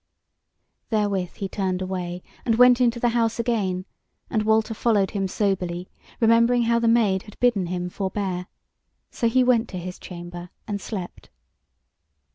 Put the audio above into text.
Therewith he turned away, and went into the house again; and Walter followed him soberly, remembering how the Maid had bidden him forbear. So he went to his chamber, and slept.